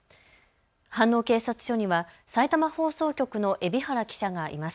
飯能警察署にはさいたま放送局の海老原記者がいます。